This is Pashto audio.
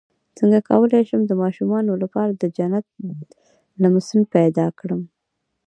څنګه کولی شم د ماشومانو لپاره د جنت د لمس بیان کړم